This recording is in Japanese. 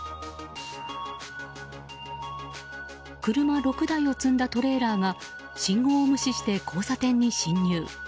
車６台を積んだトレーラーが信号を無視して交差点に進入。